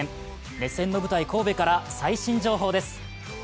熱戦の舞台、神戸から最新情報です。